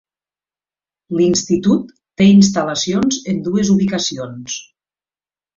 L'institut té instal·lacions en dues ubicacions.